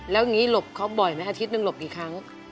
แล้วอย่างนี้หลบเขาบ่อยไหมอาทิตย์หนึ่งหลบกี่ครั้ง